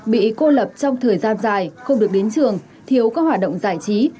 bị cô lập trong thời gian dài không được đến trường thiếu các hoạt động giải trí